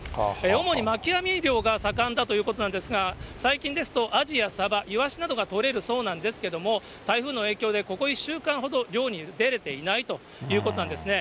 主にまき網漁が盛んだということなんですが、最近ですと、アジやサバ、イワシなどが取れるそうなんですけれども、台風の影響で、ここ１週間ほど、漁に出れていないということなんですね。